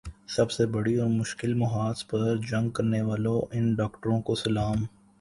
سب سے بڑی اور مشکل محاذ پر جنگ کرنے والے ان ڈاکٹروں کو سلام